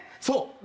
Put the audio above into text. そう。